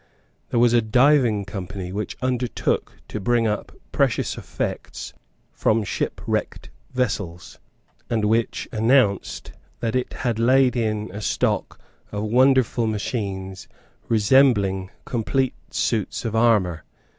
There was a Diving Company which undertook to bring up precious effects from shipwrecked vessels, and which announced that it had laid in a stock of wonderful machines resembling complete suits of armour.